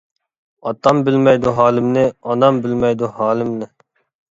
ئاتام بىلمەيدۇ ھالىمنى، ئانام بىلمەيدۇ ھالىمنى.